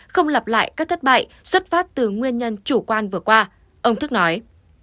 không lặp lại các thất bại xuất phát từ nguyên nhân chủ quan vừa qua ông thức nói